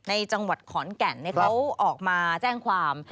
จังหวัดขอนแก่นเขาออกมาแจ้งความ